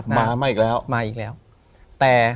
ถูกต้องไหมครับถูกต้องไหมครับ